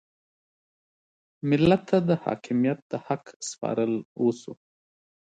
ملت ته د حاکمیت د حق سپارل وشو.